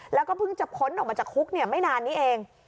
แล้วก็เพิ่งจะพ้นออกมาจากคุกไม่นานนี้เอง